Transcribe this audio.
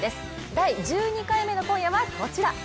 第１２回目の今夜は、こちら！